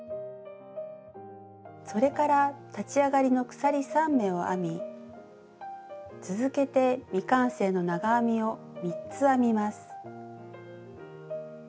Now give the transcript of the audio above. それから立ち上がりの鎖３目を編み続けて未完成の長編みを３つ編みます。